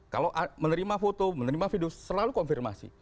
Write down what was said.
kalau menerima foto menerima video selalu konfirmasi